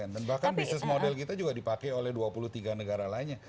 dan bahkan bisnis model kita juga dipakai oleh dua puluh tiga negara lainnya